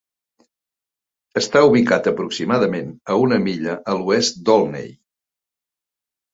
Està ubicat aproximadament a una milla a l'oest d'Olney.